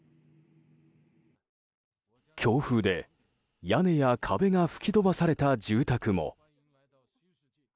強風で、屋根や壁が吹き飛ばされた住宅も。